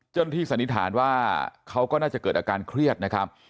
สันนิษฐานว่าเขาก็น่าจะเกิดอาการเครียดนะครับ